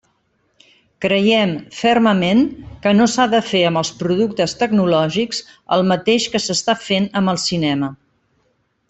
Creiem, fermament, que no s'ha de fer amb els productes tecnològics el mateix que s'està fent amb el cinema.